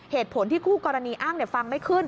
เหตุผลที่คู่กรณีอ้างฟังไม่ขึ้น